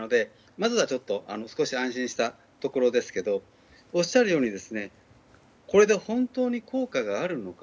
まずは少し安心したところですけどおっしゃるようにこれで本当に効果があるのか。